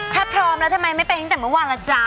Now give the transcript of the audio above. ถ้าพร้อมแล้วทำไมไม่ไปตั้งแต่เมื่อวานล่ะจ๊ะ